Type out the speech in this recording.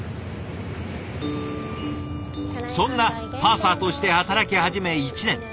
そんなパーサーとして働き始め１年。